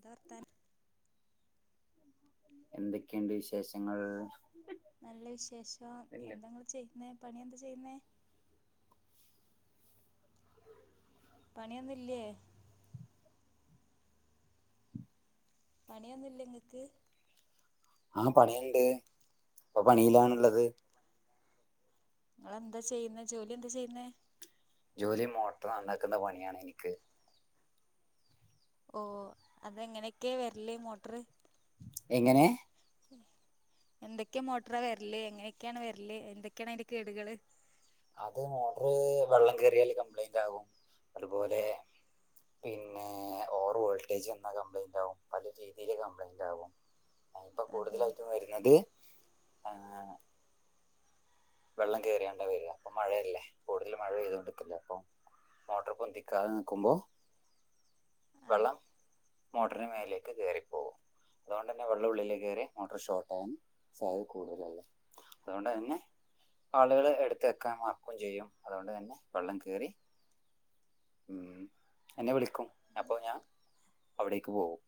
ത്താ വർത്താനം. എന്തൊക്കെണ്ട് വിശേഷങ്ങൾ? നല്ല വിശേഷം. എന്താ ങ്ങള് ചെയ്യുന്നേ. പണി എന്താ ചെയ്യുന്നേ. പണിയൊന്നും ല്യേ.? പണിയൊന്നുംല്ലെ ങ്ങക്ക്? ആഹ്! പണിയുണ്ട്. പ്പൊ പണിയിലാണുള്ളത്. ങ്ങളെന്താ ചെയ്യുന്ന. ജോലി എന്താ ചെയ്യുന്നെ? ജോലി മോട്ടറ് നന്നാക്കുന്ന പണിയാണ് എനിക്ക്. ഓഹ്! അതെങ്ങനെക്കെ വരല്. മോട്ടറ്. എങ്ങനെ? എന്തൊക്കെ മോട്ടറ വരല്? എങ്ങനെക്കെയാണ് വരല്? എന്തൊക്കെണ് അതിന്റെ കേടുകള്? അത് മോട്ടർ വെള്ളം കയറിയാല് കംപ്ലൈന്റാകും. അതുപോലെ പിന്നെ ഓവർ വോൾട്ടേജ് വന്നാ കംപ്ലൈന്റാകും. പല രീ രീതില് കംപ്ലൈന്റാകും. ആഹ്പ്പം അതെ കൂടുതലായിട്ടും വരുന്നത് ആഹ്! വെള്ളം കയറിയേണ്ട വര. പ്പൊ മഴല്ലേ. കൂടുതലും മഴ പെയ്തുകൊണ്ടിരിക്കല്ലേ. അപ്പൊ മോട്ടോർ പൊന്തിക്കാതെ നിക്കുമ്പോ അതെ വെള്ളം മോട്ടറിന് മേലേക്ക് കയറിപ്പോകും. അതുകൊണ്ട് തന്നെ വെള്ളം ഉള്ളില് കയറി മോട്ടർ ഷോർട്ടൻ സാധ്യത കൂടുതല ല്ലേ. അതുകൊണ്ട് തന്നെ ആളുകൾ എടുത്ത് വക്കാൻ മാർക്കുകയും ചെയ്യും അതുകൊണ്ട് തന്നെ വെള്ളം കയറി എന്നെ വിളിക്കും അപ്പോൾ ഞാൻ അവിടേക്ക് പോകും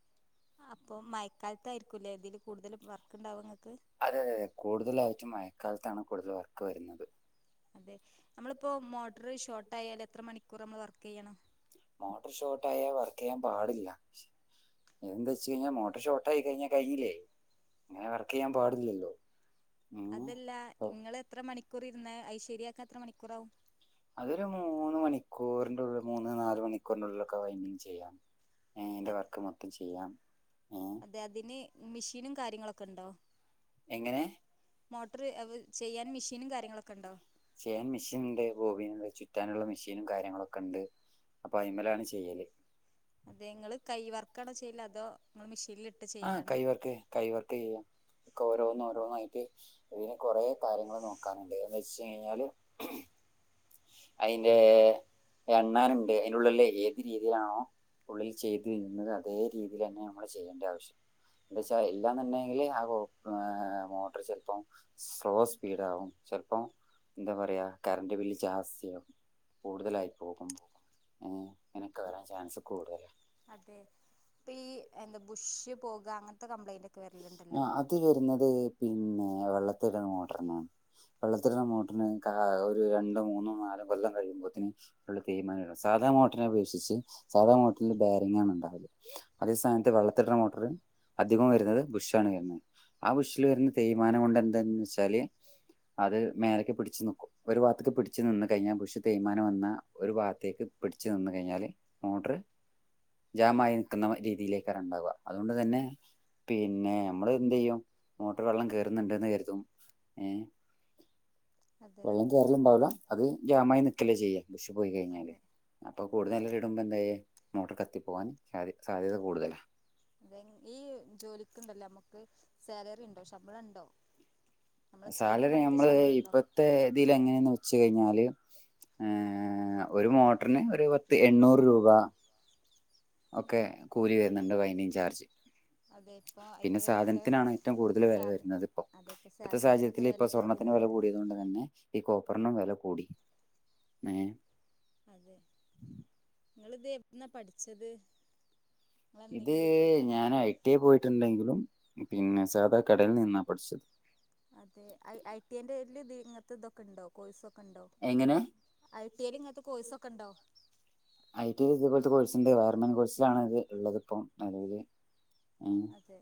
അപ്പം മയക്കാലത്തായിരിക്കുംല്ലേ ഇതിൽ കൂടുതൽ വർക്ക് ഉണ്ടാവും നിങ്ങൾക്ക് അതെ അതെെ കൂടുതല ആയിട്ട് മഴക്കാലത്താണ് കൂടുതൽ വർക്ക് വരുന്നത് അതെ നമ്മളിപ്പോ മോട്ടർ ഷോർട്ട് ആയാൽ എത്ര മണിക്കൂർ നമ്മൾ വർക്ക് ചെയ്യണം മോട്ടർ ഷോർട്ടായൽ വർക്ക് ചെയ്യാൻ പാടില്ല എന്ത് വെച്ച് കഴിഞ്ഞാ മോട്ടർ ഷോർട്ടായി കഴിഞ്ഞാ കഴിഞ്ഞില്ലേ അങ്ങനെ വർക്ക് ചെയ്യാൻ പാടില്ലല്ലോ ഉം. അതല്ല അപ്പോൾ നിങ്ങള് എത്ര മണിക്കൂർ ഇരുന്ന അത് ശരിയാക്കാൻ എത്ര മണിക്കൂറ ആവും അതൊരു മൂന്ന് മണിക്കൂറിൻ്റെ ഉള്ളിൽ മൂന്ന് നാല് മണിക്കൂറിൻ്റെ ഉള്ളിലൊക്കെ വൈൻ്റിംഗ് ചെയ്യാം എന്റെ വർക്ക് മൊത്തം ചെയ്യാം അതെ അതിന് മെഷീനും കാര്യങ്ങളൊക്കെ ഉണ്ടോ എങ്ങനെ മോട്ടർ ചെയ്യാൻ മെഷീനും കാര്യങ്ങളൊക്കെ ഉണ്ടോ ചെയ്യാൻ മെഷീണ്ട് ഭോബി ചുറ്റാന്ള്ള മിഷീനും കാര്യങ്ങളൊക്കെ ഇണ്ട് അപ്പൊ ഐമെലാണ് ചെയ്യല് അതെ ഇങ്ങള് കൈ വർക്കാണോ ചെയ്യല് അതോ ഇങ്ങള് മിഷീൻല്ട്ട് ആഹ് കൈവർക്ക് കൈവർക്കെയ്യും ഒക്കോരോന്ന് ഓരോന്നായിട്ട് ഐന് കൊറെ കാര്യങ്ങള് നോക്കാന്ണ്ട്ന്ന് വെച്ച് കഴിഞ്ഞാല് ഐൻ്റെ എണ്ണാന്ണ്ട് ഐൻ്റുള്ള്ല് ഏത് രീതിയിലാണോ ഉള്ളിൽ ചെയ്ത് നിന്നുന്നത് അതേ രീതിയിലെന്നെ നമ്മള് ചെയ്യേണ്ട്യെ ആവശ്യണ്ട് എന്തെച്ചാ എല്ലാന്ന്ണ്ടെങ്കില് ഏഹ് മോട്ടർ ചെൽപ്പം സ്ലോ സ്പീഡാകും ചെൽപ്പോ എന്താ പറയാ കറണ്ട് ബില്ല് ജാസ്ഥി ആവും കൂടുതലായി പോകും ഏഹ് അങ്ങനൊക്കെ വെരാൻ ചാൻസ് കൂട്തലാ അതെ ഇപ്പ ഈ എന്താ അതേബുഷ് പോകാ അങ്ങൻത്തെ കംപ്ലൈന്റൊക്കെ വെര്ല്ണ്ടല്ലോ ആഹ് അത് വെര്ന്നത് പിന്നെ വെള്ളത്തിട്ണ മോട്ടർണാണ് വെള്ളത്തില്ടെ മോട്ടിർന് ഒരു രണ്ടോ മൂന്നോ നാലോ കൊല്ലം കഴ്യുമ്പോത്തിന് തെയ്മാനം വെരും സാധാ മോട്ടർനെ അപേക്ഷിച്ച് സാധാ മോട്ടർല് ബാരിങ്ങാണ് ഇണ്ടാവല് അതേ സമയത്ത് വെള്ളത്ത്ട്ണ മോട്ടറ് അധികോം വെര്ന്നത് ബുഷ് ണ് വെര്ന്നത് ആ ബുഷ്ല് വെര്ന്ന തേയ്മാനം കൊണ്ട് എന്താന്ന് വെച്ചാല് അത് മേലക്കാ പിട്ച്ച് നിക്കും ഒരു വാത്ത്ക്ക് പിട്ച്ച് നിന്ന് കഴിഞ്ഞാല് ബുഷ് തേയ്മാനം വന്നാ ഒരു വാത്തേക്ക് പിട്ച്ച് നിന്ന് കഴിഞ്ഞാല് മോട്ടറ് ജാമായി നിക്കുന്ന രീതിയിലേക്കാരം ഇണ്ടാവാ അതോണ്ട് തെന്നെ പിന്നെ നമ്മള് എന്തെയ്യും മോട്ടറ് വെള്ളം കേറ്ന്ന്ണ്ട്ന്ന് കര്തും ഏഹ് അതെ കേറ്ല്ണ്ടാവൂല അത് ജാമായി നിക്കല്ലേ ചെയ്യാ ബുഷ് പോയി കഴിഞ്ഞാല് അതെ അപ്പൊ അതെ കൂടുതല് കുടുംമ്പന്തായെ മോട്ടറ് കത്തി പോവാൻ സാ സാധ്യത കൂട്തലാ അതെ ഈ ജോലിക്ക് ഇണ്ടല്ലോ നമ്മക്ക് സാലറി ഇണ്ടോ ശമ്പള ഇണ്ടോ സാലറി നമ്മള് ഉണ്ടോ ഇപ്പത്തെ ഇതീല് എങ്ങനേന്ന് വെച്ച് കഴിഞ്ഞാല് ഒരു മോട്ടർന് ഒരു പത്ത് എണ്ണൂറ് രൂപ ഒക്കെ കൂലി വെര്ന്ന്ണ്ട് വൈനിങ്ങ് ചാർജ് അതേ ഇപ്പോ പിന്നെ ഐന്റെ ഉള്ള്ത്തെ സാധനത്തിനാണ് ഏറ്റവും കൂടുതൽ സാധൻ അതേപ്പോ സാധനത്തിനൊ ഇതില് ഇപ്പൊ സ്വർണ്ണത്തിന് വെല കൂടിയത് കൊണ്ട് തന്നെ ഈ കോപ്പറിനും വെല കൂടി ഏഹ് അതെ ഇങ്ങള്ത് എവ്ട്ന്നാ പഠിച്ചത് ഇത് നിങ്ങളെന്തെങ്കിലും ഇതിൽ പോയിട്ടാണോ ഞാന് ഐ ടി എ പോയിട്ട്ണ്ടെങ്കിലും പിന്നെ സാധാ കടയിൽ നിന്നാ പഠിച്ചത് അതെ ഐ ഐ ടി ഏൻ്റേതില് ഇ ഇങ്ങൻത്തെ ഇതൊക്കെ ഇണ്ടോ കോഴ്സൊക്കെ ഇണ്ടോ? എങ്ങനെ? ഐ ടി ഏയില് ഇങ്ങൻത്തെ കോഴ്സൊക്കെ ഇണ്ടോ? ഐ ടി ഏല് ഇതേപോലത്തെ കോഴ്സ്ണ്ട് വേർമെൻ കോഴ്സിലാണ് അത് ഇള്ളത്പ്പോ നെലവില് ഏഹ് അതെ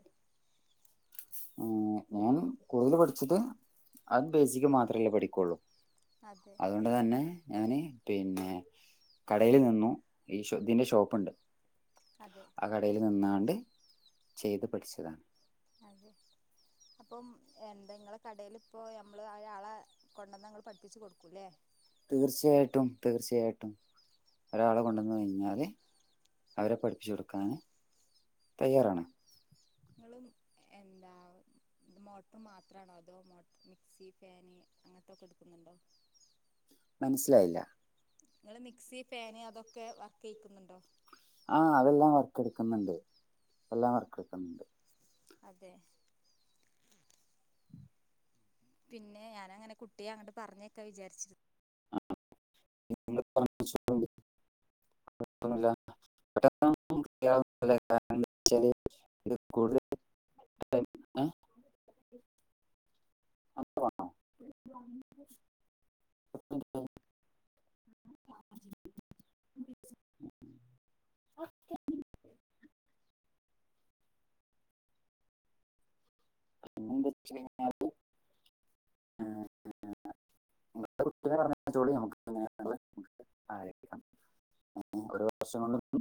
ഏഹ് ഞാൻ കൂടുതല് പഠിച്ചത് അത് ബേസിക്ക് മാത്രല്ലേ പഠിക്കൊള്ളൂ അതെ [unintelligible] തന്നെ ഞാന് പിന്നെ കടേല് നി ന്നു ഈ ഇതിന്റെ ഷോപ്പുണ്ട് അതെ ആ കടയില് നിന്നാണ്ട് ചെയ്ത് പഠിച്ചതാണ് അതെ അപ്പം എന്താ ഇങ്ങളെ കടേല് ഇപ്പോ നമ്മള് ഒരാളെ കൊണ്ടെന്നാ ഇങ്ങള് പഠിപ്പിച്ച് കൊടുക്കൂലേ തീർച്ചയായിട്ടും തീർച്ചയായിട്ടും ഒരാളെ കൊണ്ടന്ന് കഴിഞ്ഞാല് അവരെ പഠിപ്പിച്ച് കൊടുക്കാന് തയ്യാറാണ്. ഇങ്ങളും എന്താ ഇത് മോട്ടർ മാത്രാണോ അതോ മോട്ടർ, മിക്സി, ഫേന് അങ്ങൻത്തൊക്കെ എട്ക്കുന്നുണ്ടോ? മനസ്സിലായില്ലാ ഇങ്ങള് മിക്സി ഫാന് അതൊക്കെ വർക്ക് ചെയ്യിക്കുന്നുണ്ടോ? ആഹ് അതെല്ലാം വർക്കെടുക്കുന്നുണ്ട് എല്ലാം വർക്ക് എടുക്കുന്നുണ്ട് അതെ പിന്നെ ഞാനങ്ങനെ കുട്ടിയെ അങ്ങട്ട് പറഞ്ഞയക്കാ വിചാരിച്ചിരുന്നു [unintelligible] ചെയ്യാവുന്നതല്ലേ? കാരണം വെച്ചാല് ഇത് കൂടുതൽ ഏ? അത് പറ. [unintelligible] [unintelligible] കഴിഞ്ഞാല് ഏഹ് [unintelligible] കുട്ടികളെ പറഞ്ഞയച്ചോളി [unintelligible] [unintelligible] ഒരു വർഷം [unintelligible]